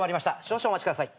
少々お待ちください。